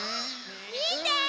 みて！